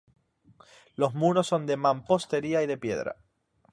Los muros son de mampostería y de piedra.